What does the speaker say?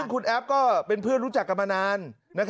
คุณแอฟก็เป็นเพื่อนรู้จักกันมานาน